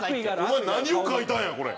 お前何を描いたんやこれ。